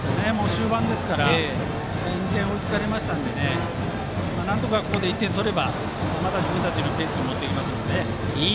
終盤ですから２点追いつかれましたのでなんとかここで点を取ればまた自分たちのペースに持っていけるので。